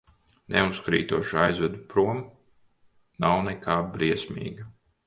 Neuzkrītoši aizvedu prom, nav nekā briesmīga.